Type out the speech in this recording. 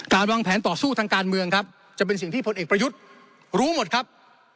วางแผนต่อสู้ทางการเมืองครับจะเป็นสิ่งที่พลเอกประยุทธ์รู้หมดครับ